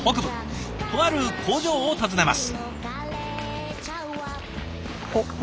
とある工場を訪ねます。